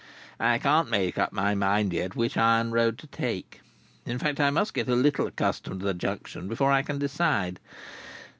"I can't make up my mind yet, which iron road to take. In fact, I must get a little accustomed to the Junction before I can decide."